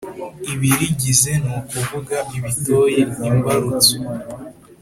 ibirigize ni ukuvuga ibitoyi imbarutso